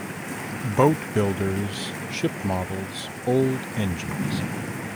Boat builders, ship models, old engines.